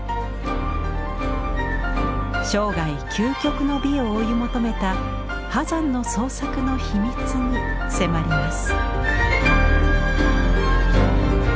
生涯究極の美を追い求めた波山の創作の秘密に迫ります。